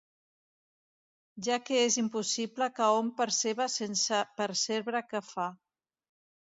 Ja que és impossible que hom perceba sense percebre què fa.